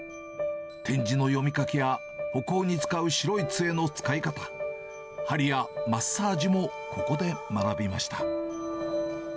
点字の読み書きや歩行に使う白いつえの使い方、はりやマッサージもここで学びました。